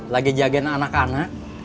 lagi jagain anak anak